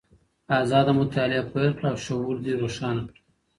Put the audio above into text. ازاده مطالعه پیل کړه او شعور دې روښانه کړه.